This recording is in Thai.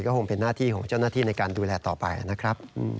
ก็คงเป็นหน้าที่ของเจ้าหน้าที่ในการดูแลต่อไปนะครับ